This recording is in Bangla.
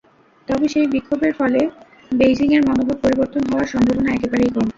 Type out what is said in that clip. তবে সেই বিক্ষোভের ফলে বেইজিংয়ের মনোভাব পরিবর্তন হওয়ার সম্ভাবনা একেবারেই কম।